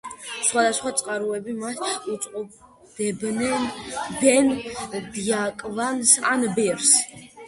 სხვადასხვა წყაროები მას უწოდებენ დიაკვანს ან ბერს.